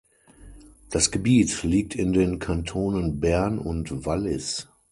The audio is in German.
Das Gebiet liegt in den Kantonen Bern und Wallis.